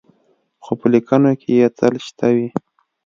خو په لیکنو کې یې تل شته وي.